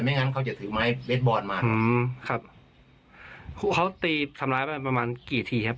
ไม่งั้นเขาจะถึงมาให้เบสบอร์ดมาอืมครับเขาตีสำหรับประมาณกี่ทีครับ